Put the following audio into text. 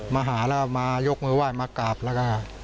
มาหาแล้วมายกมือไหว้มากราบแล้วก็